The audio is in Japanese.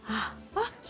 あっ。